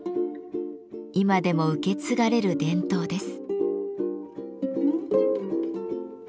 今でも受け継がれる伝統です。